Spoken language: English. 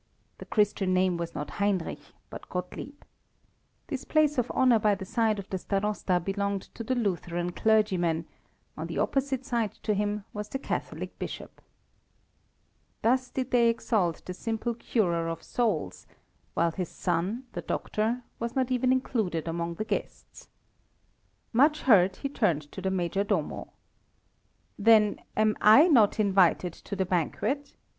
The Christian name was not Heinrich, but Gottlieb. This place of honour by the side of the Starosta belonged to the Lutheran clergyman, on the opposite side to him was the Catholic bishop. Thus did they exalt the simple curer of souls, while his son, the doctor, was not even included among the guests. Much hurt he turned to the Major Domo. "Then am I not invited to the banquet?"